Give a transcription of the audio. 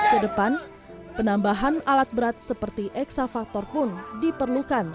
kedepan penambahan alat berat seperti eksavator pun diperlukan